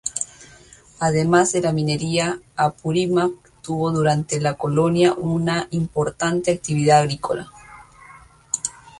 Además de la minería, Apurímac tuvo durante la colonia una importante actividad agrícola.